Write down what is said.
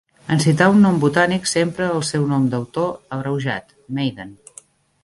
En citar un nom botànic, s'empra el seu nom d'autor abreujat, Maiden.